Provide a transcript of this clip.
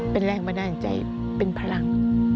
เป็นแรงบันดาลใจเป็นพลัง